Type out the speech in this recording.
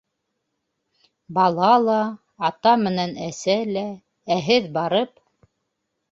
Бала ла, ата менән әсә лә, ә һеҙ барып.